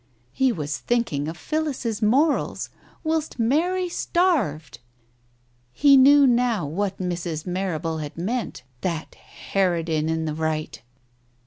He was thinking of Phillis's morals whilst Mary starved ! He knew now what Mrs. Marrable had meant. That harridan in the right